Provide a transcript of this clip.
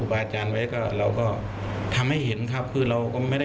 เราจะไม่ทำอะไรเพิ่มเพื่อครับ